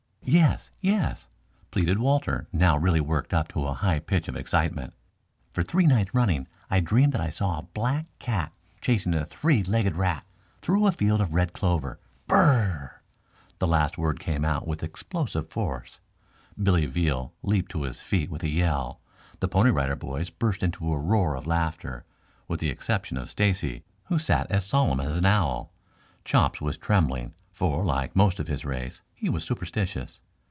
"Yes, yes?" pleaded Walter, now really worked up to a high pitch of excitement. "For three nights running I dreamed that I saw a black cat chasing a three legged rat through a field of red clover. Br r r r!" The last word came out with explosive force. Billy Veal leaped to his feet with a yell. The Pony Rider Boys burst into a roar of laughter, with the exception of Stacy, who sat as solemn as an owl. Chops was trembling, for, like most of his race, he was superstitious.